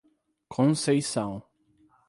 Conceição